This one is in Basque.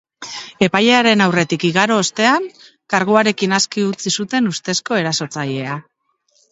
Epailearen aurretik igaro ostean, karguekin aske utzi zuten ustezko erasotzailea.